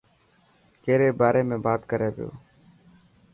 ڪيري باري ۾ بات ڪري پيو.